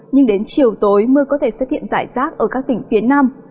nhưng đến chiều tối mưa có thể xuất hiện rải rác ở các tỉnh phía nam